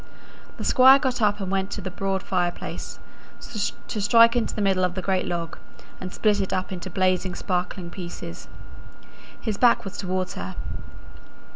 The Squire got up and went to the broad fireplace, to strike into the middle of the great log, and split it up into blazing, sparkling pieces. His back was towards her.